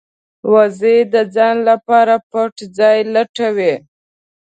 وزې د ځان لپاره پټ ځای لټوي